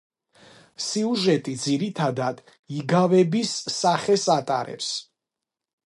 სიუჟეტი ძირითადად იგავების სახეს ატარებს.